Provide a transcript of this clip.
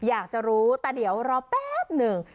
อยากจะรู้แต่เดี๋ยวรอแป๊บหนึ่ง